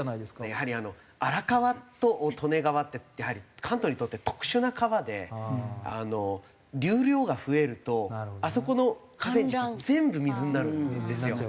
やはり荒川と利根川って関東にとって特殊な川で流量が増えるとあそこの河川敷全部水になるんですよ。